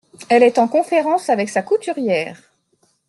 Elle est en conférence avec sa couturière !…